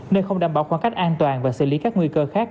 nên không đảm bảo khoảng cách an toàn và xử lý các nguy cơ khác